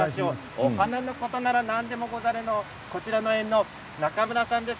お花のことなら何でもござれのこちらの園の中村さんです。